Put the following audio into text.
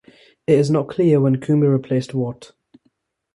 It is not clear when Coombe replaced Watt.